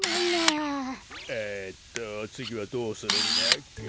えっとつぎはどうするんだっけ？